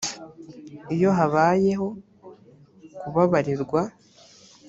iyo habayeho kubabarirwa